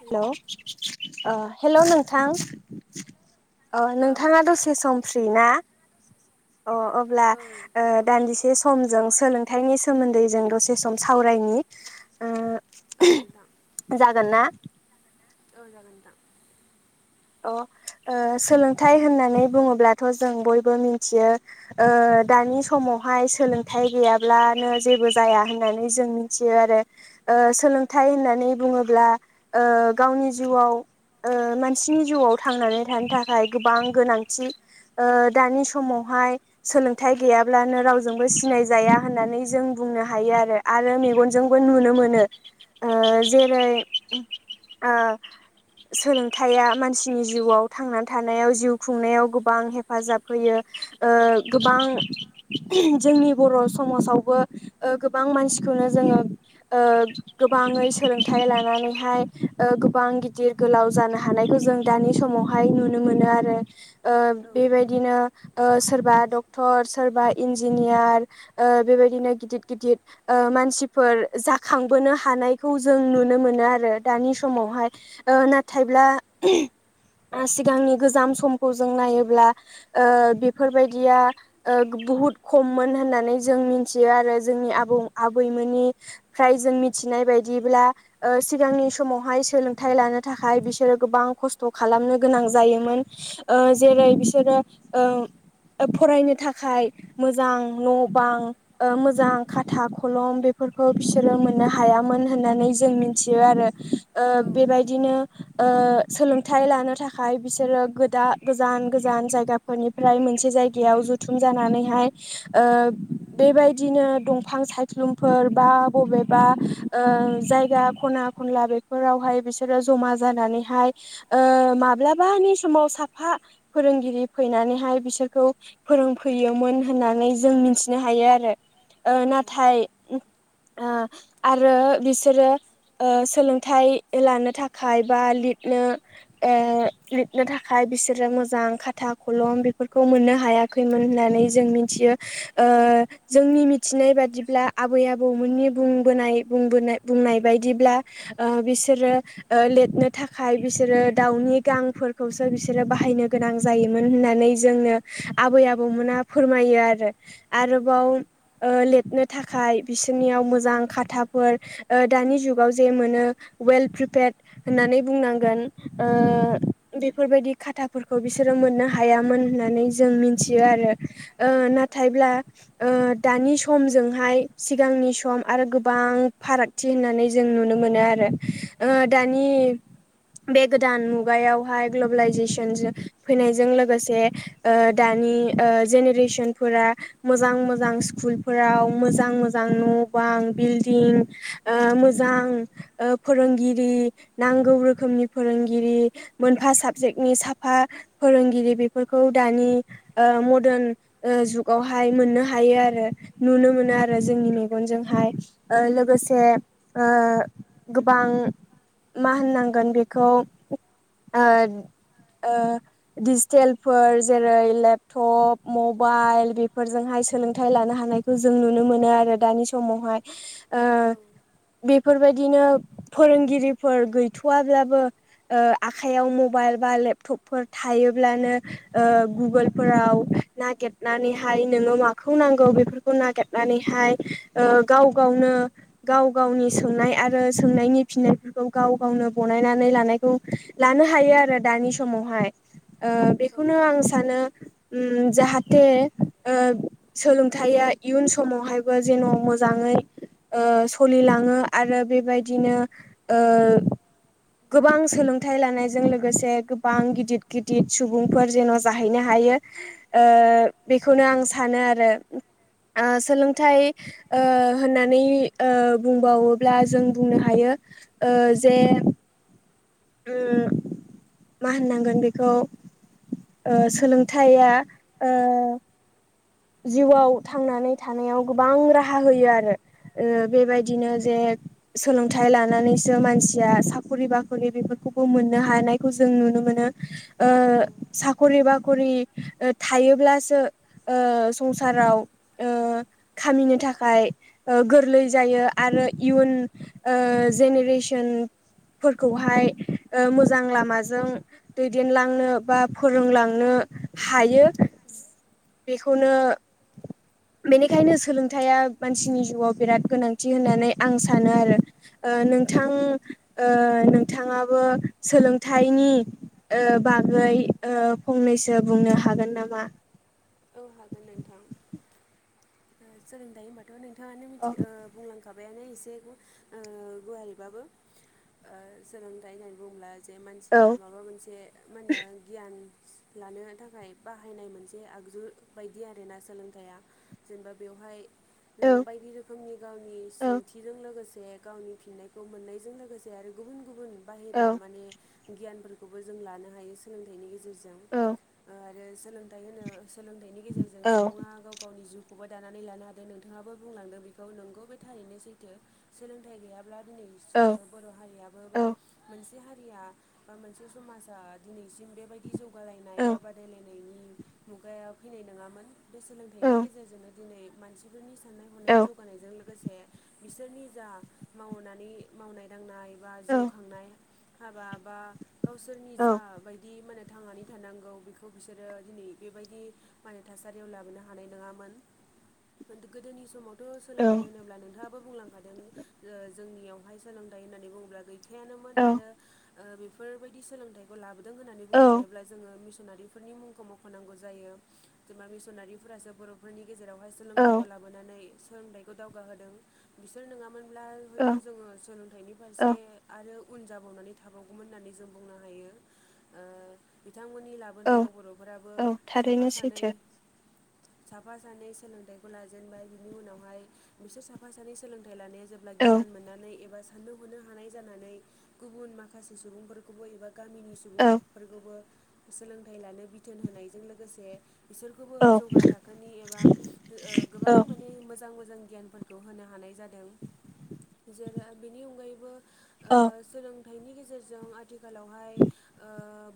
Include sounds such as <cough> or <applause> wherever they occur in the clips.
हेल hello अ hello नोंथां औ अ औ नोंथाङा दसे सम फ्रि ना? अ अब्ला औ ओ नोंथां दानदिसे सम जों सोलों थाइनि सोमोनदै जों दसे सम सावरायनि ओ औ नोंथां <unintelligible> जागोन ना औ जागोन नोंथां अ ओ सोलोंथाइ होननानै बुङोब्लाथ' जों बयबो मिथियो ओ दानि समावहाय सोलोंथाइ गैयाब्लानो जेबो जाया होननानै जों मिथियो आरो ओ सोलोंथाइ होननानै बुङोब्ला ओ गावनि जिउयाव ओ मान सिनि जिउयाव थांनानै थानो थाखाय गोबां गोनांथि ओ दानि समावहाय सोलोंथाइ गैयाब्लानो रावजोंबो सिनायजाया होननानै जों बुंनो हायो आरो आरो मेगनजोंबो नुनो मोनो ओ जेरै औ ओ सोलों थाइया मानसिनि जिउयाव थांनानै थानायाव जिउ खुंनायाव गोबां हेफाजाब होयो ओ गोबां जोंनि बर' समाजावबो ओ गोबां मानसिखौनो जोङो ओ गोबाङै सोलोंथाइ लानानैहाय ओ गोबां गिदिर गोलाव जानो हायो हानायखौ जों दानि समावहाय नुनो मोनो आरो ओ बेबायदिनो ओ सोरबा डक्ट'र सोरबा इनजिनियार ओ बेबायदिनो गिदिर गिदिर ओ मानसिफोर जाखांबोनो हानायखौ जों नुनो मोनो आरो दानि समावहाय ओ ओ नाथायब्ला सिगांनि गोजाम समखौ जों नायोब्ला ओ बेफोरबायदिया ओ बुहुत खममोन होननानै जों मिनथियो आरो जोंनि आबौ आबैमोननिफ्राय जों मिथि नाय बायदिब्ला ओ सिगांनि समावहाय सोलोंथाइ लानो थाखाय बिसोरो गोबां खस्थ' खालामनो गोनां ओ जायोमोन जेरै बिसोरो ओ फरायनो थाखाय मोजां न' बां ओ मोजां खाथा खलम बेफोर बेफोरखौ बिसोरो मोननो हायामोन होननानै जों मिथियो आरो ओ औ बेबायदिनो ओ सोलोंथाइ लानो थाखाय बिसोरो गोदान गोजान गोजान जायगाफोरनिफ्राय मोनसे जायगा बायदियाव जथुम जानानैहाय ओ बेबायदिनो दंफां सायख्लुमफोर एबा बबेबा ओ जायगा खना खनला बेफोरावहाय बिसोरो‌ जमा जानानैहाय ओ माब्लाबानि समाव साफा फोरोंगिरि फैनानैहाय बिसोर बिसोरखौ फोरोंफैयोमोन होननानै जों मिनथिनो हायो आरो ओ नाथाय आ आरो बिसोरो ओ सोलोंथाइ लानो थाखाय थाखाय बा लिरनो ओ लिरनो थाखाय बिसोरो मोजां खाथा खलम बे फोरखौ मोननो हायाखैमोन होननानै जों मिनथियो ओ जोंनि मिथिनाय बादिब्ला आबै आबौमोननि बुंबोनायबोनाय बुंबोनाय बुंनाय बायदिब्ला ओ बिसोरो ओ लिरनो थाखाय बिसोरो दाउनि गांफोरखौसो बिसोरो बाहायनो गोनां जायोमोन होननानै जोंनो आबै आबौमोना फोरमायो आरो आरोबाव ओ लिरनो थाखाय थाखाय बिसोरनियाव मोजां खाथाफोर ओ दानि जुगाव जे मोनो वेल प्रिपेद होननानै बुंनांगोन ओ बेफोरबायदि खाथाफोरखौ बिसोरो मोननो हायामोन होननानै जों मिथियो आरो ओ नाथायब्ला ओ दानि समजोंहाय सिगांनि सम आरो गोबां फारागथि होननानै जों नुनो मोनो आरो दानि बे गोदान मुगायावहाय ग्लबेलाइजेसन फैनायजों लोगोसे ओ दानि नि ओ मोजां मोजां स्कुलाव मोजां मोजां' न बां बिल्दिं ओ मोजां फोरोंगिरि नांगौ रोखोमनि फोरोंगिरि मोनफा साबजेक्टनि साफा फोरोंगिरि बेफोरखौ खौ दानि ओ मदन जुगावहाय मोननो हायो आरो नुनो मोनो आरो जोंनि मेगनजोंहाय ओ लोगोसे ओ गोबां मा होननांगोन बेखौ ओ ओ दिजिटेलफोर जेरै लेपटप मबाइल बेफोरजोंहाय सोलोंथाइ लानो हानायखौ जों नुनो मोनो आरो दानि समावहाय ओ बेफोरबायदिनो फोरोंगिरि फोर गैथ'वाब्लाबो ओ आखाइयाव मबाइल बा लेपटपफोर थायोब्लानो ओ गुगोलफोराव नागिरनानैहाय नोङो माखौ नांगौ बेफोरखौ नागिरनानै हाय ओ गाव गावनो गाव गावनि सोंनाय आरो सोंनायनि फिनाय गाव गावनो बनायनानै लानायखौ लानो हायो आरो दानि समावहाय औ बेखौनो आं सानो ओम जाहाथे ओ सोलोंथाइया इयुन समावहायबो जेन' मोजाङै ओ सलिलाङो आरो बेबायदिनो गोबां सोलोंथाइ लानायजों लोगोसे गोबां गिदिद गिदिद सुबुंफोर जेन' जाहैनो हायो ओ बेखौनो आं सानो आरो ओ सोलोंथाइ ओ होननानै ओ बुंबावोब्ला जों बुंनो हायो ओ जे ओम मा होननांगोन बेखौ ओ सोलोंथाइया ओ जिउआव थांनानै थानायाव गोबां राहा होयो आरो ओ बेबायदिनो जे सोलोंथाइ लानानैसो मानसिया साखरि बाख'रि बेफोरखौबो मोननो हानायखौ जों नु नो मोनो औ नंगौ साखरि बाखरि थायोब्लासो ओ संसाराव ओ खामिनो थाखाय गोरलै जायो आरो इयुन ओ जेनेरेसन फोरखौहाय ओ मोजां लामाजों दैदेनलांनो बा फोरोंलांनो हायो बेखौनो बेनिखायनो सोलोंयाइया मानसिनि जिउाव बिराद गोनांथि होननानै आं सानो आरो ओ नोंथां ओ नोंथाङाबो सोलोंथाइनिओ बा गै ओ फंनैसो बुंनो हागोन नामा? औ हागोन नोंथां सोलोंथाइ होनबाथ' नोंथाङानो मिथि औ ओ बुंलांखा खाबायानो इसे ओ गुवारैबाबो ओ सोलोंथाइ होननानै बुङोब्ला जे मानसिया औ माबा मोनसे मा होनो गियान लानो थाखाय बाहायनाय मोनसे आग जु बायदि आरोना सोलोंथाइया जेनेबा बेवहाय नोङो औ बायदि रोखोमनि गावनि औ सोंथिजों लोगोसे गावनि फिननायखौ मोननायजों लोगोसे आरो गुबुन गुबुन बाहेरा औ माने गियानफोरखौबो जों लानो हायो सोलोंथाइनि गेजेरजों आरो ओ सोलोंथाइ होनो थाइनि गेजेरजों औ सुबुङा गाव गावनि जिउ खौबो दानानै लानो हादों नोंथाङाबो बुंलांदों बेखौ नोंगौ बे थारैनो सैथो सोलोंथ गैयाबा दिनै औ बर' हारियाबो औ बा मोनसे हारिया बा मोनसे समाजा दिनैसिम बेबायदि जौगालायनाय बा औ बादायलायनायनि मुगायाव फैनाय नङामोन बे सोलोंथाइनि गेजेरजोंनो दिनै मानसिफोरनि औ साननाय-हनाया जौगानायजों लोगोसे बिसोरनि जा मावनानै मावनाय दांनाय बा जिउ खांनाय हाबा बा गावसोरनि जा बायदि माने थांनानै थानांगौ बेखौ बिसोरो दिनै बेबायदि माने थासारियाव लाबोनो हानाय नङामोन गोदोनि समाव थ' औ सोलोंथाइ होनोब्ला नोंथाङाबो बुंलांखादों ओ जोंनियावहाय सोलोंथाइ होननानै बुङोब्ला गै हाखायानोमोन आरो बेफोरबायदि सोलोंथाइखौ लाबोदों होननानै बुंनो हायोब्ला जोङो मि मिसनारिफोरनि मुंखौ मुंख नांगौ जायो जेनबा मिसनारिफोरासो बर'फोरनि गेजेरावहाय सोलोंथाइखौ लाबोनानै सोलोंथाइखौ दावग होदों बिसोर नोङामोन अब्ला औ हयथ जोङो सोलोंथाइनि फारसे आरो उन जाबावनानै थाबावगौमोन होननानै जों बुंनो हायो बिथांमोननि औ लाबोनायाव बर' फोराबो औ साफा थारैनो सानै सैथो <inaudible> साफा सानै सोलोंथाइखौ लाजेनबाय बिनि उनावहाय बिसोर साफा सानै सोलोंथाइ लानाया जेब्ला औ गियान मोननानै एबा साननो हनो हानाय जानानै गुबुन माखासे सुबुंफोरखौबो एबा गामिनि औ सुबुंफोरखौबो सोलोंथाइ लानो बिथोन होनायजों लोगोसे बिसोरखौबो औ जौगा थाखोनि एबा गोबां औ माने मोजां मोजां गियान फोरखौ होनो हानाय जादों बेनि अनगायैबो औ सों सोलोंथाइनि गेजेरजों आथिखालावहाय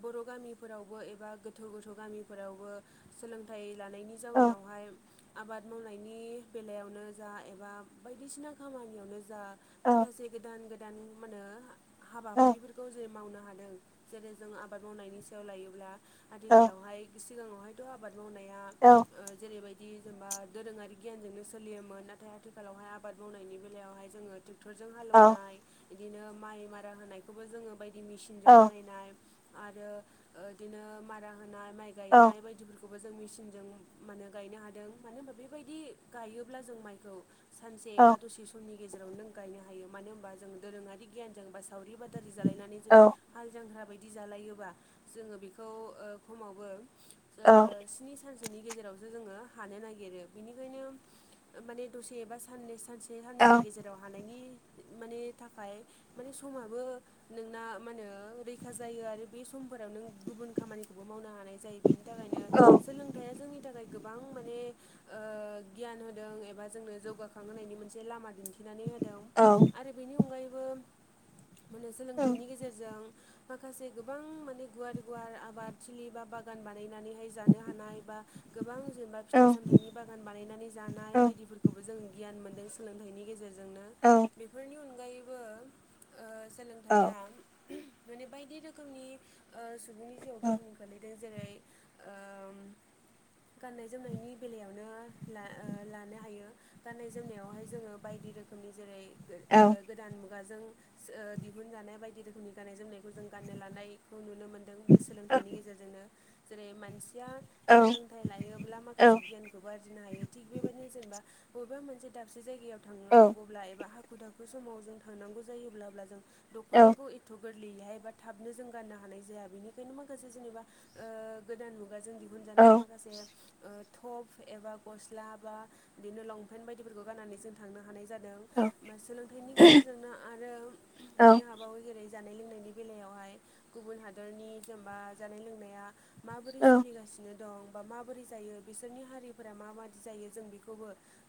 बर' गामिफोरावबो एबा गोथौ गोथौ गामिफोरावबो सोलोंथाइ लानायनि जाउनावहाय आबाद मावनायनि बेलायावनो जा एबा बायदिसिना खामानियावनो जा माखसे गोदान गोदान गोदान माने औ हाबाफारिफोरखौ जे मावनो हादों जेरै जों आबाद मावनायनि सायाव लायोब्ला आथिखालावहाय सिगाङावहायथ आबाद मावनाया जेरैबाय बिदि जेनेबा दोरोङारि गियानजोंनो सोलियोमोन नाथाय आथिखालावहाय आबाद मावनायनि बेलायावहाय जोङो ट्रेक्टरजों औ हालेवनाय बिदिनो माइ मारा होनायखौबो जोङो बायदि मेसिनजों औ बानायनाय आरो बिदिनो मारा होनाय माइ औ गायनाय बायदिफोरखौ खौबो जों मेसिनजों माने गायनो हादों मानो होनबा बेबायदि गायोब्ला जों माइखौ सानसे एबा दसे समनि गेजेराव नों गायनो हायो मानो होनबा जों दोरोङारि गियानजों बास दावरि बादारि जालायनानै जुदि हाल जांख्रा बायदि जालायोबा जोङो बेखौ दंबावो ओ गेजावो जोङो हानो नागिगो बिनिखायनो माने दसेबा स सानसे देहानिनि गेजेराव हानायनि माने थाखाय माने समाबो नोंना मा होने रैखा जायो आरो बे सम फोराव नों गुबुन खामानिखौबो मावनो हानाय जायो बेनि थाखायनो सोलोंथाइा जोंनि थाखाय गोबां माने गियान होदों एबा जोंनो जौगाखांहोनायनि मोनसे लामा दिन्थिनानै होदों दं आरो बेनि अनगायैबो माने सोलोंथाइनि गेजेरजों माखासे गोबां माने गुवार गुवार आबाद लि बा बागान बानायनानैहाय जानो हानाय ए बा गोबां जेनेबा फिथाइ सामथाइनि बागान बानायनानै जानाय बायदिफोरखौबो जों गियान मोनदों सोलोंथाइनि गेजेरजों जोंनो बेफोरनि अन माने बायदि रोखोमनि सुबुंनि जिउआव गोहां जेरै गाननाय जोमनायनि बेलायावनो लानो हायो गाननाय जोमनायावहाय जोङो बायदि बेबायदि रोखोमनि जेरै गोदान मु खुगाजों दिहुनजानाय बायदि रोखोमनि गाननाय जोमनायखौ जों गाननो लानायखौ नुनो मोन नुनो मोनदों बे सोलोंथाइनि गेजेरजोंनो जेरै मानसि सोलोंथाइ लायोब्ला माखासे गियानखौ आरजिनो हायो थिग बेबायदिनो जेनेबा बबेबा मोनसे से दाबसे जायगायाव थांनांगौब्ला एबा हाखु दाखु समाव जों थांनांगौ जायोब्ला अब्ला जों दख'नाखौ एथ गोरलैयैहाय एबा थाबनो जों गाननो हानाय जाया बेनिखायनो माखासे जेनेबा ओ गोदान मुगाजों दिहुनजानाय माखासे ओ टप एबा गस्ला बा बिदिनो लंपेन्ट बायदिफोरखौ गाननानै जों थांनो हानाय जादों सोलोंथाइनि गेजेरजोंनो आरो औ मोननो हाबावो जेरै जानाय लोंनायनि बेलायावहाय गुबुन हादरनि जेनेबा जानाय लोंनाया माबोरै औ सोलिगासिनो दं बा माबोरै जायो बिनि हारिफोरा माय जायो जों बेखौ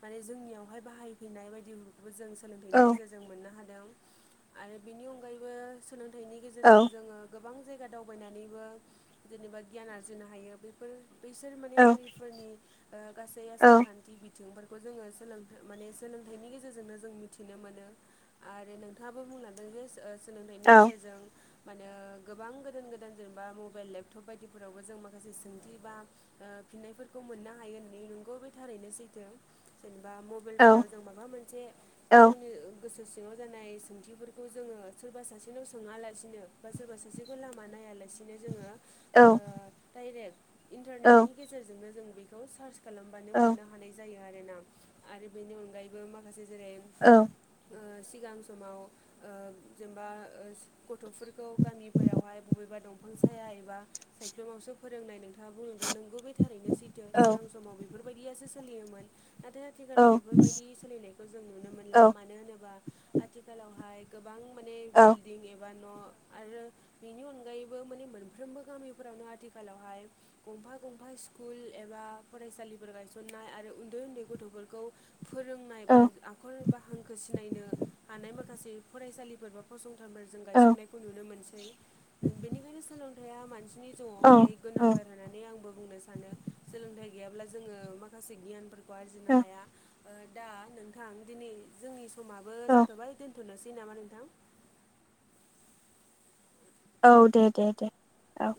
माने जोंनियावहाय बाहाफैनाय नाय बायदि जों सोलोंथाइनि गेजेरजों मोननो हादों आरो बेनि अनगायैबो सोलोंथाइनि गेजेरजों जोङो गोबां जायगा दावबायनानैबो जेनेबा गियान आरजिनो हायो बैफोर बैसोर माने हारिफोरनि ओ गासै आसार खान्थि बिथिंफोर खौ जोङो सोलों माने सोलोंथाइनि गेजेरजोंनो जों मिथिनो मोनो आरो नोंथाङाबो बुंलांदों सोलोंथाइनि गेजेरजों माने गोबां गोदान गोदान जेनेबा मबाइल लेब टब बायदिफोरावबो जों माखासे सोंथि बा ओ फिननायफोरखौ मोननो हायो होननानै नंगौ बे थारैनो सै थो जेनेबा मबाइलफोराव जों माबा मोनसे गावनो गोसो सिङाव जानाय सोंथिफोरखौ जोङो सोरबा सासेनाव सोङालासिनो बा सोरबा सासेखौ लामा नाय यालासिनो ओ डाइरेक्ट इन्टारनेटनि गेजेरजोंनो जों बेखौ सार्च खालामबानो मोननो हानाय जायो आरोना आरो बेनि अनगायैबो माखासे जेरै ओ सिगां समाव ओ जेनेबा <unintelligible> थ'फोरखौ गामिफोरावहाय बबेबा दंफां साया एबा सायख्लुमावसो फोरोंनाय नों थाङा बुंलांदों नोंगौ बे थारैनो सैथो सिगां समाव बेफोरबायदियासो सोलियोमोन नाथाय आथिखालाव बेफोरबायदि सोलिनायखौ जों नुनो मोनला मानो होनोबा आथिखालावहाय गोबां माने बिल्डिं एबा न' आरो बिनि अनगायैबो माने मोन फ्रोमबो गामिफोरावनो आथिखालावहाय गंफा गंफा स्कुल एबा फरायसालिफोर गायसन नाय आरो उन्दै उन्दै गथ'फोरखौ फोरोंनाय बा आखर बा हांखो सिनायनो हानाय माखासे फरायसालिफोर बा फसं थाफोर जों गायसंनायखौ नुनो मोनसै बेनिखायनो सोलोंथाया मानसि नि जिवावहाय गोनांथार होनानै आंबो बुंनो सानो सोलोंथाइ गैयाब्ला जोङो माखासे गियानफोरखौ आरजिनो हाया दा नोंथां दिनै जोंनि समाबो जाथबाय दोन थनोसै नामा नोंथां औ दे दे दे औ